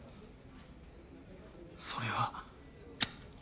それは。